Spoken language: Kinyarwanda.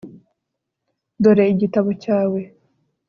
dore igitabo cyawe